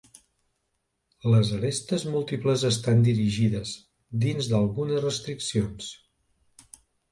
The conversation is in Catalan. Les arestes múltiples estan dirigides, dins d'algunes restriccions.